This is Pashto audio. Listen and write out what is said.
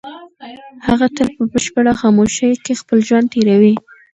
هغه تل په بشپړه خاموشۍ کې خپل ژوند تېروي.